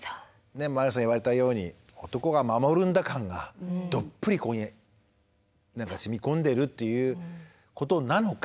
満里奈さん言われたように「男が守るんだ」感がどっぷりここに染み込んでるっていうことなのか。